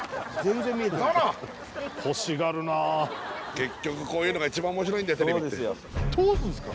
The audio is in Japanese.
結局こういうのが一番面白いんだよテレビって通すんすか？